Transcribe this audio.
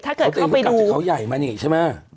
เขาเองก็กลับจากเขาใหญ่มาเนี่ยใช่ไหม